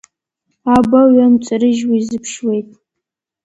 Абаҩ иамҵарыжьуа иазыԥшуеит…